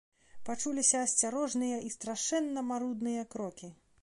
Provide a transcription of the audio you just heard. Пачуліся асцярожныя і страшэнна марудныя крокі.